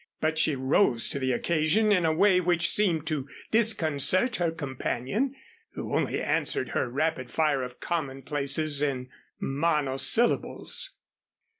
But she rose to the occasion in a way which seemed to disconcert her companion who only answered her rapid fire of commonplaces in monosyllables.